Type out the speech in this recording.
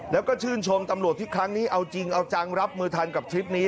แล้วก็ชื่นชมตำรวจที่ครั้งนี้เอาจริงเอาจังรับมือทันกับทริปนี้